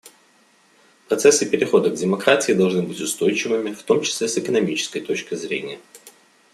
Процессы перехода к демократии должны быть устойчивыми, в том числе с экономической точки зрения.